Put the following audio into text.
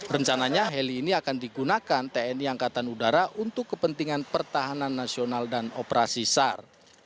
rencananya heli ini akan digunakan tni angkatan udara untuk kepentingan pertahanan nasional dan operasi sar